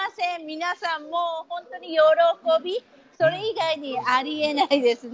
皆さん、本当に喜びそれ以外にあり得ないですね。